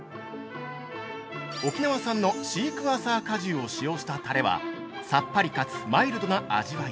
沖縄産のシークワーサー果汁を使用したタレは、さっぱりかつマイルドな味わい。